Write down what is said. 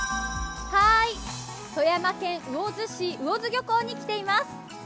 富山県魚津市、魚津漁港に来ています。